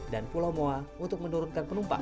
dia terbuat untuk menuthati negara di pulau romang